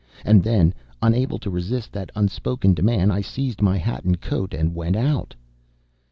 And then, unable to resist that unspoken demand, I seized my hat and coat and went out.